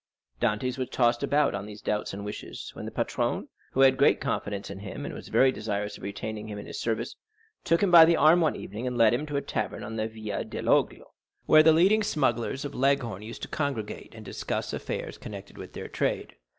Dantès was tossed about on these doubts and wishes, when the patron, who had great confidence in him, and was very desirous of retaining him in his service, took him by the arm one evening and led him to a tavern on the Via del' Oglio, where the leading smugglers of Leghorn used to congregate and discuss affairs connected with their trade.